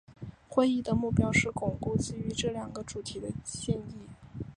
会议的目标是巩固基于这两个主题的建议。